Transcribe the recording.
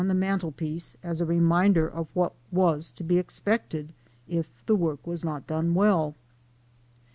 the mantel piece, as a reminder of what was to be expected if the work was not done well.